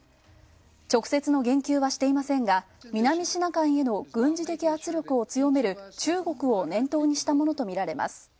直接の言及はしていませんが、南シナ海への軍事的圧力を強める中国を念頭にしたものとみられます。